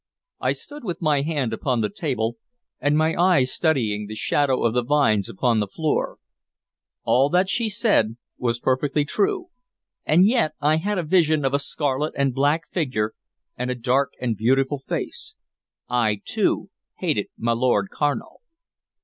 I stood with my hand upon the table and my eyes studying the shadow of the vines upon the floor. All that she said was perfectly true, and yet I had a vision of a scarlet and black figure and a dark and beautiful face. I too hated my Lord Carnal.